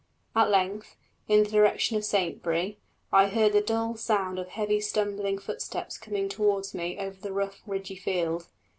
At length, in the direction of Saintbury, I heard the dull sound of heavy stumbling footsteps coming towards me over the rough, ridgy field.